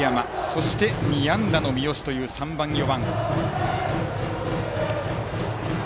そして２安打の三好という３番、４番。